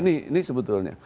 nah ini sebetulnya